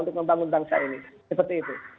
untuk membangun bangsa ini seperti itu